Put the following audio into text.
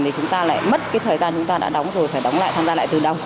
thì chúng ta lại mất cái thời gian chúng ta đã đóng rồi phải đóng lại tham gia lại từ đâu